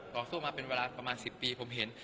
สู้มาเป็นเวลาประมาณ๑๐ปีผมเห็น